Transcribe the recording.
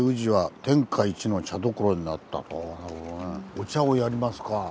お茶をやりますか。